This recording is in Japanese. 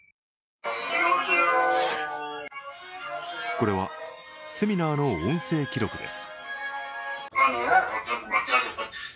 これはセミナーの音声記録です。